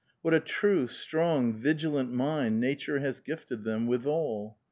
What a true, strong, vigilant mind nature has gifted them withal